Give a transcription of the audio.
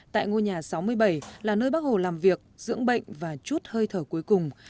tại ngôi nhà sáu mươi bảy là nơi bác hồ làm việc dưỡng bệnh và chút hơi thở cuối cùng